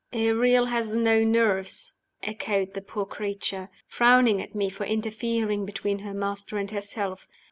"Ariel has no nerves," echoed the poor creature, frowning at me for interfering between her master and herself.